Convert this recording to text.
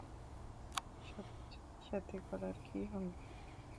সবকিছু একসাথে করার কী হলো?